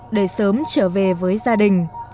để sớm trở về với gia đình